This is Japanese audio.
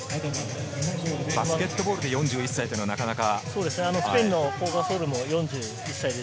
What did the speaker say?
バスケットボールで４１歳というのはなかなか。